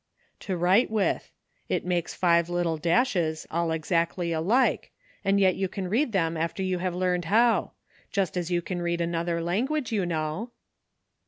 *'To write with. It makes five little dashes, all exactly alike, and yet you can read them after you have learned how ; just as you <ian read another language, you kikow."